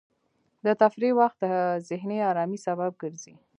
د تفریح وخت د ذهني ارامۍ سبب ګرځي.